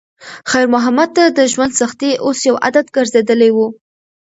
خیر محمد ته د ژوند سختۍ اوس یو عادت ګرځېدلی و.